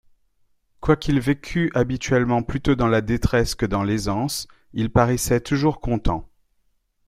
Quoiqu’il vécût habituellement plutôt dans la détresse que dans l’aisance, il paraissait toujours content.